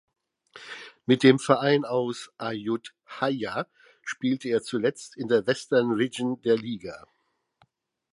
Mit dem Verein aus Ayutthaya spielte er zuletzt in der Western Region der Liga.